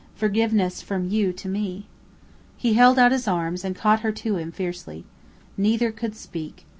Forgiveness from you to me." He held out his arms, and caught her to him fiercely. Neither could speak.